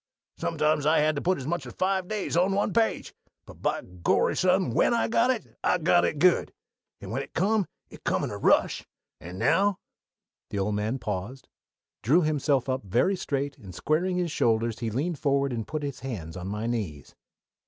Sometimes I had to put as much as five days on one page but by Gorry, son, when I got it I got it good, and when it come it come with a rush and now " The old man paused, drew himself up very straight, and squaring his shoulders he leaned forward and put his hands on my knees.